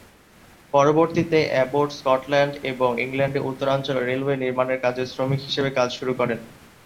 পরবর্তীতে Abbott Scotland এবং ইংল্যান্ডের উত্তরাঞ্চলে রেলওয়ে নির্মানের কাজে শ্রমিক হিসেবে কাজ শুরু করেন।